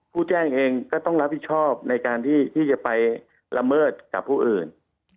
ผู้แจ้งเองก็ต้องรับผิดชอบในการที่จะไปละเมิดกับผู้อื่น